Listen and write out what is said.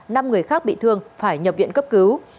năm người khác bị thương phải nhập viện cấp cứu